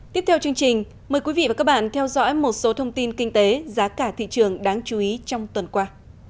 tiếp theo chương trình mời quý vị và các bạn theo dõi một số thông tin kinh tế giá cả thị trường đáng chú ý trong tuần qua